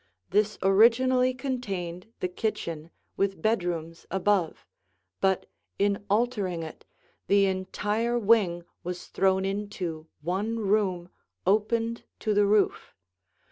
This originally contained the kitchen with bedrooms above, but in altering it, the entire wing was thrown into one room opened to the roof.